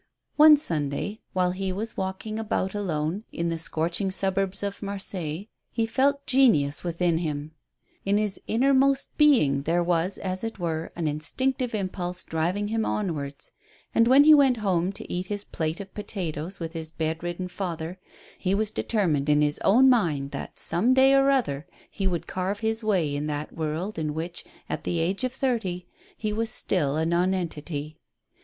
One Sunday, while he was walking about alone, in the scorching suburbs of Marseilles, he felt genius within him ; in his innermost being there was, as it were, an instinctive impulse driving him onwards; and when he went home to eat his plate of potatoes with his bed ridden father, he was determined in his own mind that some day or other he would carve his own way in that world in which, at the age of thirty, he was still a nonentity.